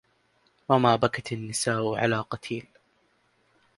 وما بكت النساء على قتيل